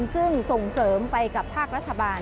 ซึ่งส่งเสริมไปกับภาครัฐบาล